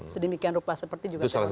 sedemikian rupa seperti juga